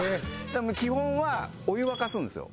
基本はお湯沸かすんですよ。